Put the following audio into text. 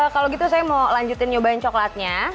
kalau gitu saya mau lanjutin nyobain coklatnya